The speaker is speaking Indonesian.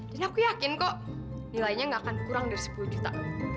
dan aku yakin kok nilainya gak akan kurang dari sepuluh juta